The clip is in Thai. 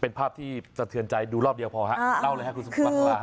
เป็นภาพที่สะเทือนใจดูรอบเดียวพอหาเล่าเลยฮะ